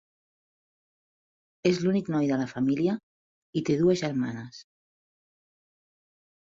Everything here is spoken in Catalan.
És l'únic noi de la família i té dues germanes.